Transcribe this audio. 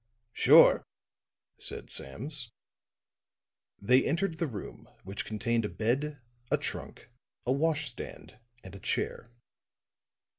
"Sure," said Sams. They entered the room, which contained a bed, a trunk, a wash stand, and a chair.